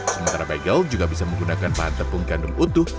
sementara bagel juga bisa menggunakan bahan tepung kandung utuh